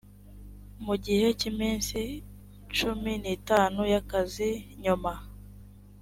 mu gihe cy iminsi cumi n itanu y akazi nyuma